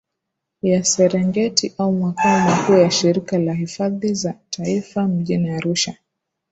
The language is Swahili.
ya Serengeti au makao makuu ya Shirika la hifadhi za Taifa Mjini Arusha